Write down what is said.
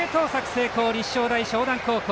成功立正大淞南高校。